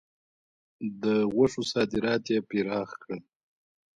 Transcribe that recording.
د غوښو صادرات یې پراخ کړل.